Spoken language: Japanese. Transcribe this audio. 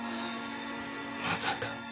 まさか。